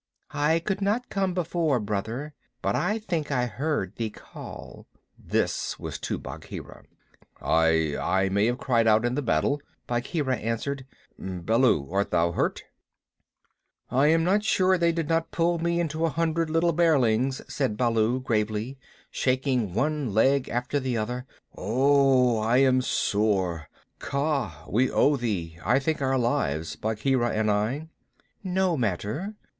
"I could not come before, Brother, but I think I heard thee call" this was to Bagheera. "I I may have cried out in the battle," Bagheera answered. "Baloo, art thou hurt? "I am not sure that they did not pull me into a hundred little bearlings," said Baloo, gravely shaking one leg after the other. "Wow! I am sore. Kaa, we owe thee, I think, our lives Bagheera and I." "No matter.